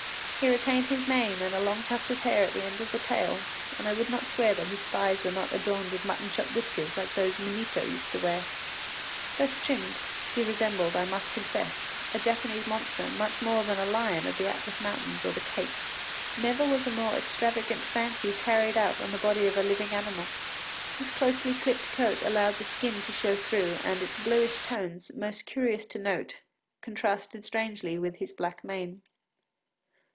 He retained his mane and a long tuft of hair at the end of the tail, and I would not swear that his thighs were not adorned with mutton chop whiskers like those Munito used to wear. Thus trimmed, he resembled, I must confess, a Japanese monster much more than a lion of the Atlas Mountains or the Cape. Never was a more extravagant fancy carried out on the body of a living animal; his closely clipped coat allowed the skin to show through, and its bluish tones, most curious to note, contrasted strangely with his black mane.